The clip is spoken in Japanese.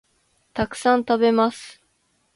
たくさん、食べます